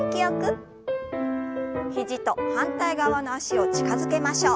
肘と反対側の脚を近づけましょう。